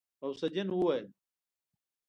غوث الدين وويل.